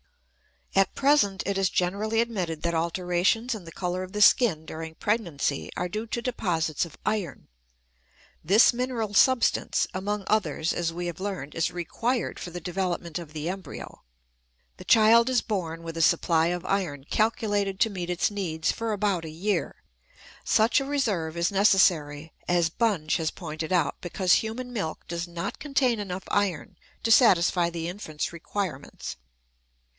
At present it is generally admitted that alterations in the color of the skin during pregnancy are due to deposits of iron. This mineral substance, among others, as we have learned, is required for the development of the embryo. The child is born with a supply of iron calculated to meet its needs for about a year. Such a reserve is necessary, as Bunge has pointed out, because human milk does not contain enough iron to satisfy the infant's requirements.